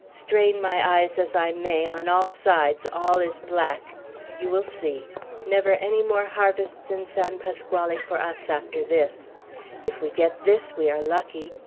"Strain my eyes as I may, on all sides all is black. You will see. Never any more harvests in San Pasquale for us, after this. If we get this, we are lucky.